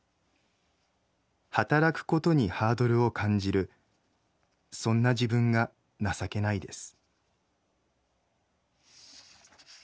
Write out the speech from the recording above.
働くことにハードルを感じるそんな自分が情けないです」。